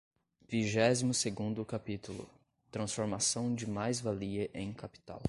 Vigésimo segundo capítulo. Transformação de mais-valia em capital